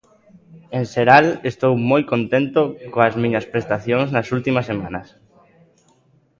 En xeral, estou moi contento coas miñas prestacións nas últimas semanas.